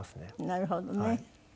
なるほどね。